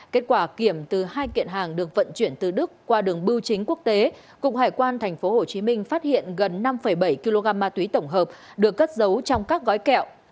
kết quả kiểm từ hai kiện hàng được vận chuyển từ đức qua đường bưu chính quốc tế cục hải quan thành phố hồ chí minh phát hiện gần năm bảy kg ma túy tổng hợp được cất giấu trong các gói kẹo